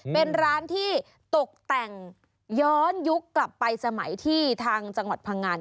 เป็นร้านที่ตกแต่งย้อนยุคกลับไปสมัยที่ทางจังหวัดพังงัน